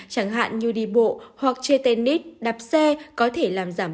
chẳng hạn như đi bộ hoặc chơi tennis đạp xe có thể làm giảm